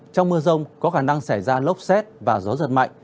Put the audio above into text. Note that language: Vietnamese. trong mưa rông có khả năng xảy ra lốc xét và gió giật mạnh